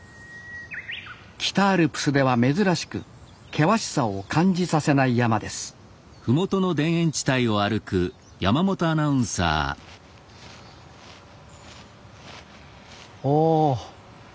北アルプスでは珍しく険しさを感じさせない山ですおお。